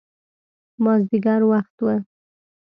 مازدیګر وخت و.